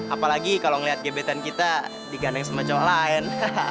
apalagi kalau ngeliat gebetan kita digandeng semacam lain